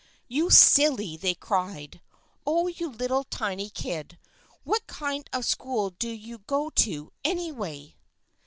" You silly !" they cried. " Oh, you little tiny kid ! What kind of a school do you go to, any way?"